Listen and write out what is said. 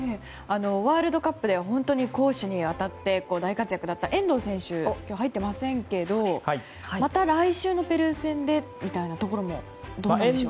ワールドカップでは攻守にわたって大活躍だった遠藤選手が今日は入っていませんがまた来週のペルー戦でみたいなところもどうでしょう。